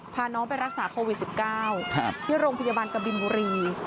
พาน้องไปรักษาโควิด๑๙ที่โรงพยาบาลกบินบุรี